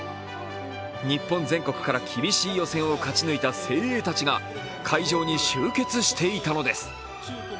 日本全国から厳しい予選を勝ち抜いた精鋭たちが会場に集結していたのです。